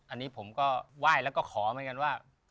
อันนี้ผมก็ไหว้แล้วก็ขอเหมือนกันว่า